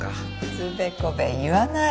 つべこべ言わない。